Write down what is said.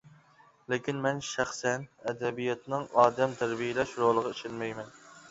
لېكىن، مەن شەخسەن ئەدەبىياتنىڭ ئادەم تەربىيەلەش رولىغا ئىشەنمەيمەن.